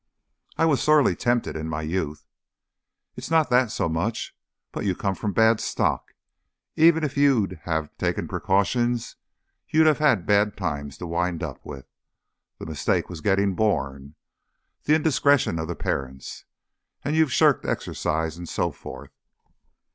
"I was sorely tempted in my youth." "It's not that so much. But you come of a bad stock. Even if you'd have taken precautions you'd have had bad times to wind up with. The mistake was getting born. The indiscretions of the parents. And you've shirked exercise, and so forth."